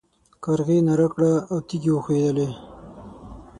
کارغې ناره کړه او تيږې وښوېدلې.